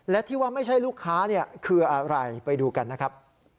และที่ว่าไม่ใช่ลูกค้าคืออะไรไปดูกันนะครับ